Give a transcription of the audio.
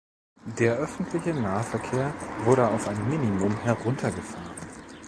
Der öffentliche Nahverkehr wurde auf ein Minimum heruntergefahren.